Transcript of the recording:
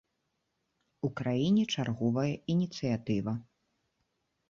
У краіне чарговая ініцыятыва.